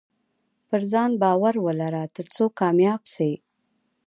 پرځان باور ولره ترڅو کامياب سې